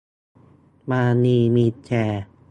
มานีมีแชร์